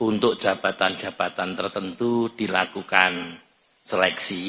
untuk jabatan jabatan tertentu dilakukan seleksi